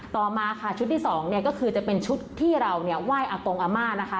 ต่อมาค่ะชุดที่สองเนี่ยก็คือจะเป็นชุดที่เราเนี่ยไหว้อากงอาม่านะคะ